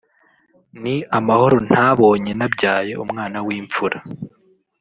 ni mahoro ntabonye nabyaye umwana w’imfura